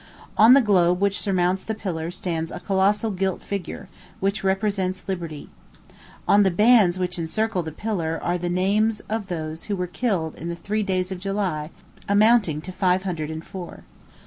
On the globe which surmounts the pillar stands a colossal gilt figure, which represents Liberty. On the bands which encircle the pillar are the names of those who were killed in the three days of July, amounting to fire hundred and four.